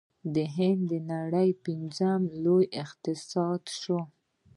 هند د نړۍ پنځم لوی اقتصاد شو.